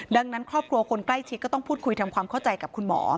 ดังนั้นครอบครัวคนใกล้ชิดก็ต้องพูดคุยทำความเข้าใจกับคุณหมอ